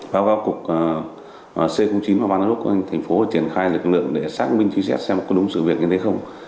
vào giáo cục c chín ủy ban ngũ tqnt thành phố tiền khai lực lượng để xác minh chú yết xem có đúng sự việc như thế không